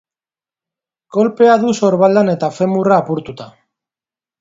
Kolpea du sorbaldan eta femurra apurtuta.